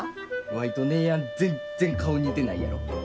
ワイと姉やん全然顔似てないやろ。